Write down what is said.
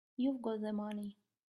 You've got the money.